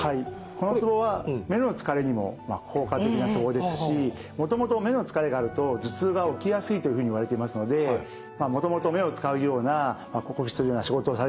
このツボは目のつかれにも効果的なツボですしもともと目のつかれがあると頭痛が起きやすいというふうにいわれていますのでもともと目を使うような酷使するような仕事をされている方